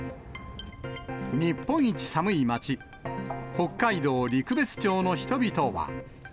日本一寒い町、北海道陸別町の人々は。